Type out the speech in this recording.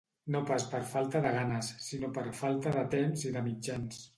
No pas per falta de ganes, sinó per falta de temps i de mitjans.